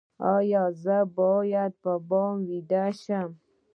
ایا زه باید په بام ویده شم؟